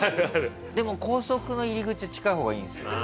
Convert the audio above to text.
でも高速の入り口近い方がいいんですよ。